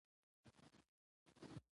تعلیم نجونو ته د سفر کولو آداب ور زده کوي.